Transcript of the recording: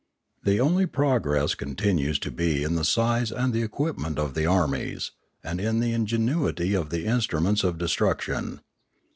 The only progress continues to be in the size and the equipment of the armies, and in the ingenuity of the instruments of destruction.